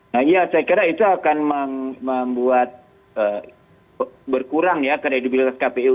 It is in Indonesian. nah iya saya kira itu akan membuat berkurang ya kredibilitas kpu